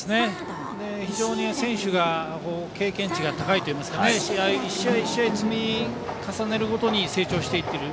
非常に選手の経験値が高いといいますか１試合１試合、積み重ねるごとに成長していっている。